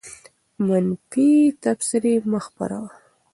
منفي تبصرې مه خپروه.